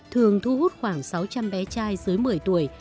thường thu hút khoảng sáu trăm linh bé trai dưới một mươi tuổi